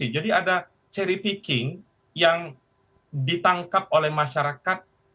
jadi ada cherry picking yang ditangkap oleh masyarakat